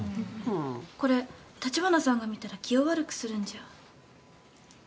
これ立花さんが見たら気を悪くするんじゃ？